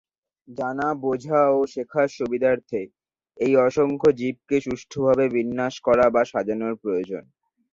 জানা, বোঝা ও শেখার সুবিধার্থে এই অসংখ্য জীবকে সুষ্ঠুভাবে বিন্যাস করা বা সাজানোর প্রয়োজন।